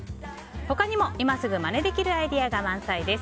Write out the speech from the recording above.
他にも、今すぐまねできるアイデアが満載です。